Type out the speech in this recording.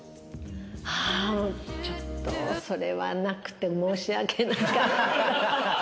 ああ、ちょっと、それはなくて申し訳なかった。